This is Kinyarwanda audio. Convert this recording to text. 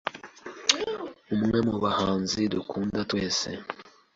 Umwe mu bahanzi dukunda twese